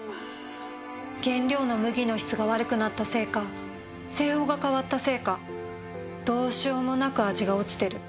原料の麦の質が悪くなったせいか製法が変わったせいかどうしようもなく味が落ちてる。